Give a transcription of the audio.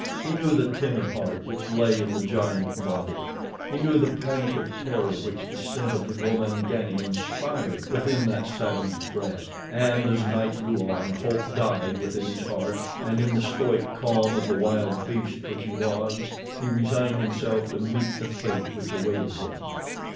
He knew the timid heart which lay in the giant body. He knew the panic of terror which the scent of the Gomangani inspired within that savage breast, and as night drew on, hope died within his heart and in the stoic calm of the wild beast which he was, he resigned himself to meet the fate which awaited him.